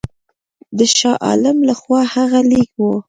د شاه عالم له خوا هغه لیک وو.